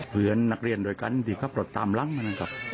เพื่อนนักเรียนด้วยกันที่ขับรถตามหลังมานะครับ